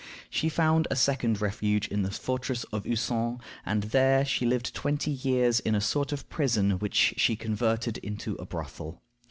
She found a second refuge in the fortress of Usson, and there she lived twenty years in a sort of prison which she converted into a brothel.